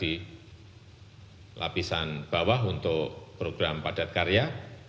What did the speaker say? di lapisan bawah untuk program padat karya